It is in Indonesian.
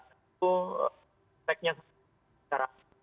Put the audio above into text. itu teksnya secara